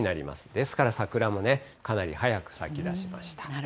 ですから桜もね、かなり早く咲き出しました。